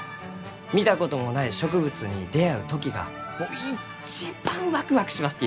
見たこともない植物に出会う時が一番ワクワクしますき！